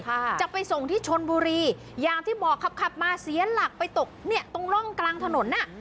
ค่ะจะไปส่งที่ชนบุรีอย่างที่บอกครับขับขับมาเสียหลักไปตกเนี้ยตรงร่องกลางถนนอ่ะ